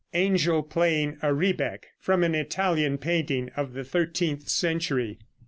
ANGEL PLAYING A REBEC. (From an Italian painting of the thirteenth century.)